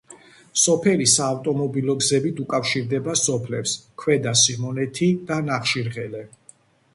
სოფელი საავტომობილო გზებით უკავშირდება სოფლებს ქვედა სიმონეთი და ნახშირღელე.